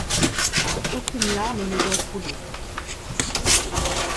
Aucune larme ne doit couler.